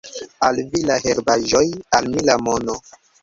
Al vi la herbaĵoj, al mi la mono.